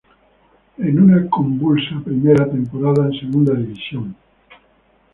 En una convulsa primera temporada en Segunda División.